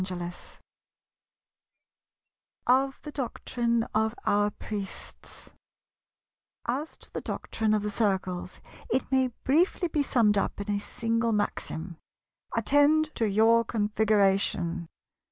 § 12 Of the Doctrine of our Priests As to the doctrine of the Circles it may briefly be summed up in a single maxim, "Attend to your Configuration."